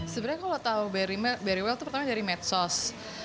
sebenarnya kalau tahu berry well itu pertama dari medsos